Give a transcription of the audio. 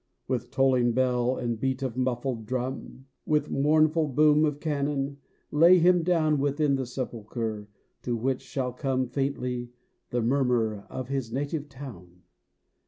With tolling bell and beat of muffled drum, With mournful boom of cannon, lay him down Within the sepulchre, to which shall come Faintly the murmur of his native town.